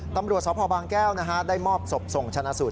ตำรวจสพบางแก้วได้มอบศพส่งชนะสูตร